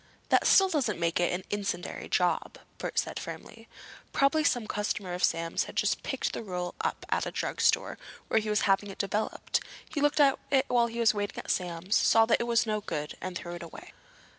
"That still doesn't make it an incendiary job," Bert said firmly. "Probably some customer of Sam's had just picked the roll up at a drugstore, where he was having it developed. He looked at it while he was waiting in Sam's, saw that it was no good, and threw it away."